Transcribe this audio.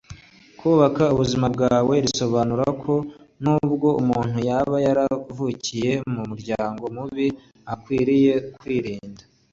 “Kubaka ubuzima bwawe” risobanura ko n’ubwo umuntu yaba yaravukiye mu muryango mubi akwiriye kwirinda iryo pfunwe